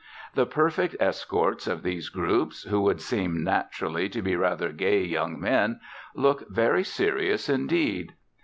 The perfect escorts of these groups, who would seem naturally to be rather gay young men, look very serious indeed.